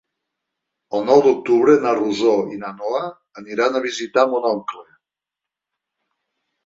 El nou d'octubre na Rosó i na Noa aniran a visitar mon oncle.